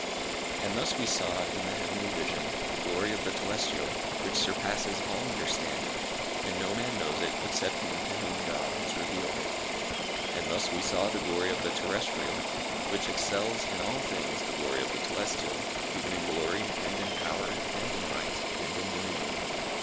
And thus we saw in the heavenly vision, the glory of the telestial, which surpasses all understanding, and no man knows it except him to whom God has revealed it. And thus we saw the glory of the terrestrial, which excels in all things the glory of the telestial, even in glory, and in power, and in might, and in dominion.